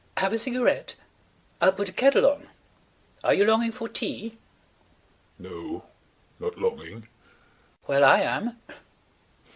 "Have a cigarette? I'll put the kettle on. Are you longing for tea?" "No. Not longing." "Well, I am."